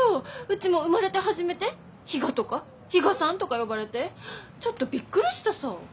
うちも生まれて初めて「比嘉」とか「比嘉さん」とか呼ばれてちょっとびっくりしたさ。